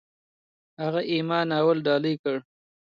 هغې "اِما" ناول ډالۍ کړ.